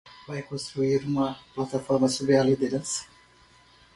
Vai construir uma plataforma sob a liderança